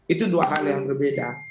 itu dua hal yang berbeda